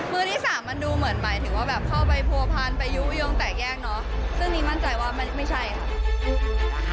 มือที่สามมันดูเหมือนหมายถึงว่าแบบเข้าไปผัวพันไปยุโยงแตกแยกเนอะซึ่งนี้มั่นใจว่าไม่ใช่ค่ะ